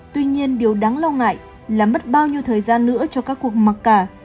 tuy nhiên điều đáng lo ngại là mất bao nhiêu thời gian nữa cho các cuộc mặc cả